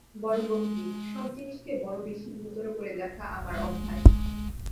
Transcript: বড়ো গম্ভীর, সব জিনিসকে বড়ো বেশি গুরুতর করে দেখা আমার অভ্যাস।